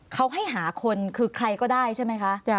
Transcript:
เขาให้หาคนคือใครก็ได้ใช่ไหมคะ